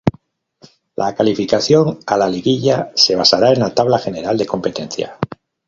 La calificación a la "Liguilla" se basará en la Tabla general de competencia.